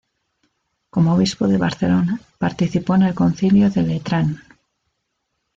Como obispo de Barcelona participó en el Concilio de Letrán.